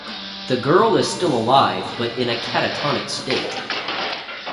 The girl is still alive but in a catatonic state.